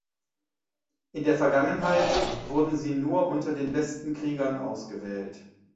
In der Vergangenheit wurden sie nur unter den besten Kriegern ausgewählt.